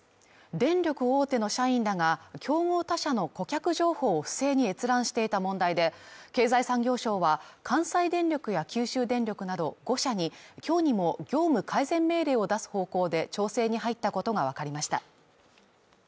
電力大手の社員らが、競合他社の顧客情報を不正に閲覧していた問題で経済産業省は関西電力や九州電力など５社に今日にも、業務改善命令を出す方向で調整に入ったことがわかりました。